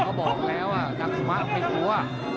เขาบอกแล้วว่าทากุม้าเอาให้กลัว